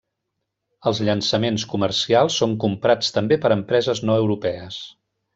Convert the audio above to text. Els llançaments comercials són comprats també per empreses no europees.